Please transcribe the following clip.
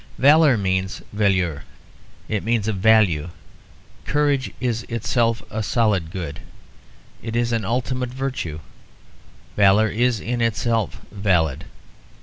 Valour means valeur; it means a value; courage is itself a solid good; it is an ultimate virtue; valour is in itself valid.